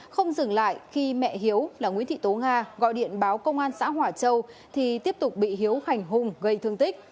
không dừng lại khi mẹ hiếu là nguyễn thị tố nga gọi điện báo công an xã hỏa châu thì tiếp tục bị hiếu hành hung gây thương tích